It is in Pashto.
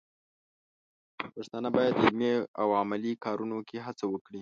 پښتانه بايد د علمي او عملي کارونو کې هڅه وکړي.